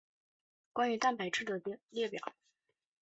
关于蛋白质的列表。